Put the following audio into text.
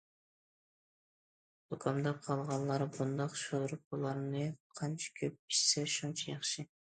زۇكامداپ قالغانلار بۇنداق شورپىلارنى قانچە كۆپ ئىچسە شۇنچە ياخشى.